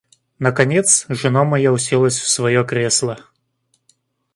Наконец, жена моя уселась в своё кресло.